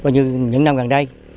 như những năm gần đây